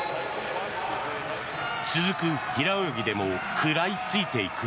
続く平泳ぎでも食らいついていく。